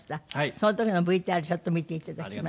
その時のＶＴＲちょっと見て頂きます。